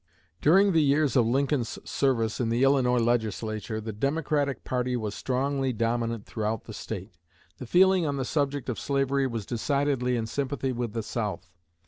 During the years of Lincoln's service in the Illinois Legislature the Democratic party was strongly dominant throughout the State. The feeling on the subject of slavery was decidedly in sympathy with the South.